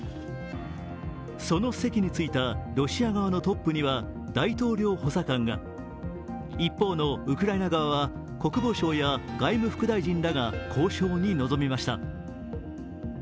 その席に着いたロシア側のトップには大統領補佐官が一方のウクライナ側は国防相や外務副大臣らが交渉に臨みました。